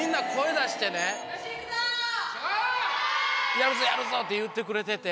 やるぞやるぞって言ってくれてて。